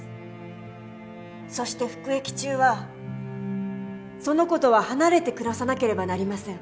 そして服役中はその子とは離れて暮らさなければなりません。